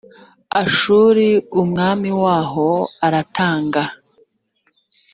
ashuri umwami waho aratanga